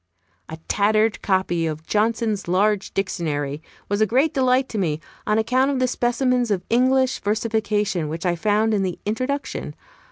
A tattered copy of Johnson's large Dictionary was a great delight to me, on account of the specimens of English versification which I found in the Introduction.